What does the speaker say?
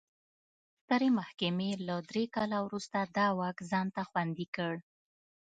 سترې محکمې له درې کال وروسته دا واک ځان ته خوندي کړ.